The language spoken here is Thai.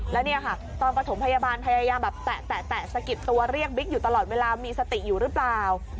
แล้วเนี่ยค่ะตอนประถมพยาบาลพยายามแบบแตะสะกิดตัวเรียกบิ๊กอยู่ตลอดเวลามีสติอยู่หรือเปล่า